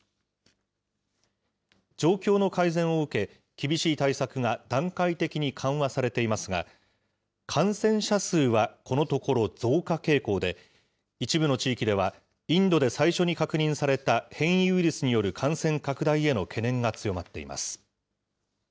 状況の改善を受け、厳しい対策が段階的に緩和されていますが、感染者数はこのところ増加傾向で、一部の地域では、インドで最初に確認された変異ウイルスによる感染拡大への懸念が強まっています。